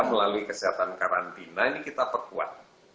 melalui kesehatan karantina ini kita perkuat